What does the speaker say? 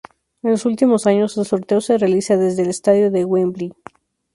En los últimos años el sorteo se realiza desde el Estadio de Wembley.